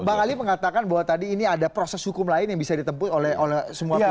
bang ali mengatakan bahwa tadi ini ada proses hukum lain yang bisa ditempuh oleh semua pihak